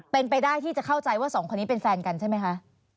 เป็นไปได้ที่จะเข้าใจว่าสองคนนี้เป็นแฟนกันใช่ไหมคะ